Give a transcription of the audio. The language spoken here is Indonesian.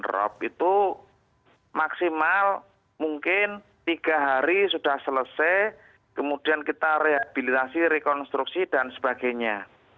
drop itu maksimal mungkin tiga hari sudah selesai kemudian kita rehabilitasi rekonstruksi dan sebagainya